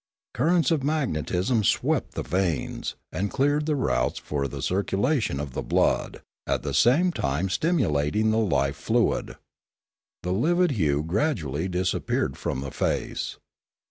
Currents of magnetism swept the veins, and cleared the routes for the circulation of the blood, at the same time stimulating the life fluid. The livid hue gradually dis appeared from the face.